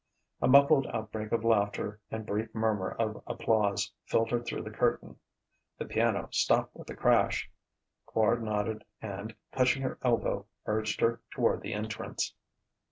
A muffled outbreak of laughter and brief murmur of applause filtered through the curtain. The piano stopped with a crash. Quard nodded and, touching her elbow, urged her toward the entrance.